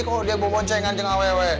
kok dia bongceng anjeng awewe